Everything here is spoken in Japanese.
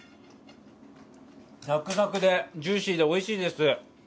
サクサクでジューシーでおいしいです。